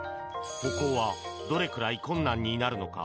歩行はどれくらい困難になるのか？